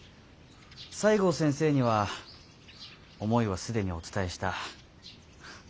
西郷先生には思いは既にお伝えした。